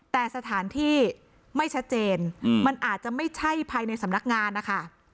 แต่สถานที่ไม่ชัดเจนมันอาจจะไม่ใช่ภายในสำนักงานนะคะ